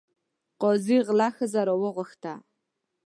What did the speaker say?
قاضي غله ښځه راوغوښته.